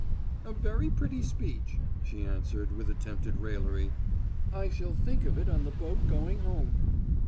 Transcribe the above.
"A very pretty speech," she answered, with attempted raillery. "I shall think of it on the boat going home."